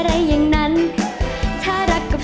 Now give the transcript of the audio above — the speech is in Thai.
ใจรองได้ช่วยกันรองด้วยนะคะ